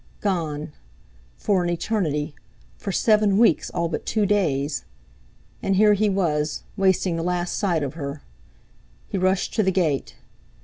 Gone! For an eternity—for seven weeks all but two days! And here he was, wasting the last sight of her! He rushed to the gate.